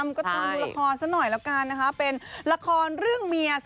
ดูละครสักหน่อยละกันนะคะเป็นละครเรื่องเมีย๒๐๑๘